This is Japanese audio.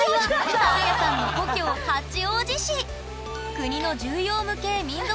国の重要無形民俗